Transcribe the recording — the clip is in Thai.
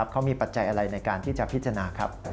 เขามีปัจจัยอะไรในการที่จะพิจารณาครับ